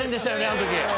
あの時。